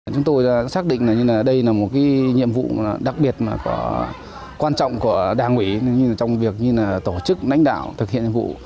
chúng tôi xác định đây là một nhiệm vụ đặc biệt quan trọng của đảng ủy trong việc tổ chức đánh đảo thực hiện nhiệm vụ